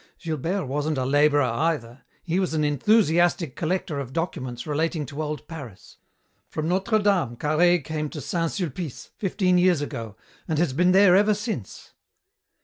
Gilbert wasn't a 'labourer,' either. He was an enthusiastic collector of documents relating to old Paris. From Notre Dame Carhaix came to Saint Sulpice, fifteen years ago, and has been there ever since."